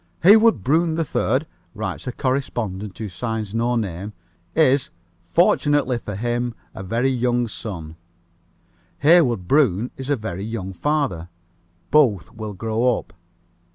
"Heywood Broun 3rd," writes a correspondent who signs no name, "is, fortunately for him, a very young son; Heywood Broun is a very young father both will grow up.